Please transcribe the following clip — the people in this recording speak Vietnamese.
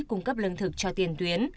cung cấp lương thực cho tiền tuyến